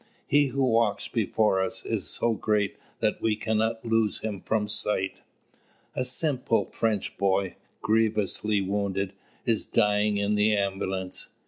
He who walks before us is so great that we cannot lose Him from sight." A simple French boy, grievously wounded, is dying in the ambulance.